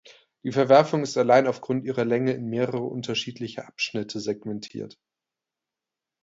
Die Verwerfung ist allein aufgrund ihrer Länge in mehrere unterschiedliche Abschnitte segmentiert.